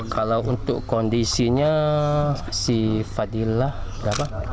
kalau untuk kondisinya si fadilah berapa